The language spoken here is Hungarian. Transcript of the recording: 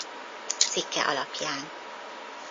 Cikke alapján.